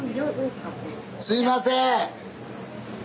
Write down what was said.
すいません！